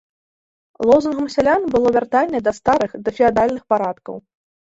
Лозунгам сялян было вяртанне да старых дафеадальных парадкаў.